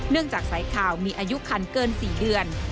จากสายข่าวมีอายุคันเกิน๔เดือน